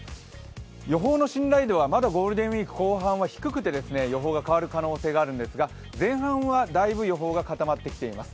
予報の信頼度はまだゴールデンウイーク後半は低くて予報が変わる可能性があるんですが前半は予報が固まりつつあります。